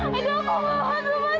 mila kamu berdarah mila